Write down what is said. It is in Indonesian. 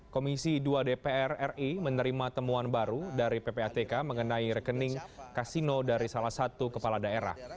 komisi dua dpr ri menerima temuan baru dari ppatk mengenai rekening kasino dari salah satu kepala daerah